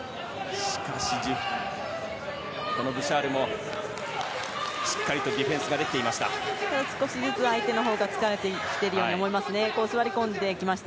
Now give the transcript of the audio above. このブシャールもしっかりとディフェンスができていました。